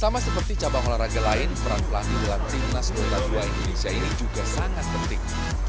sama seperti cabang olahraga lain peran pelatih dalam timnas uta dua indonesia ini juga sangat penting